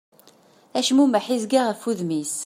Acmumeḥ yezga ɣef wudem-is.